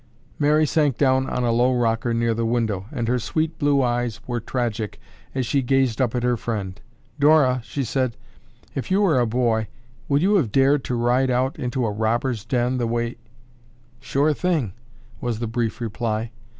Mary sank down on a low rocker near the window and her sweet blue eyes were tragic as she gazed up at her friend. "Dora," she said "if you were a boy, would you have dared to ride into a robber's den the way—" "Sure thing," was the brief reply.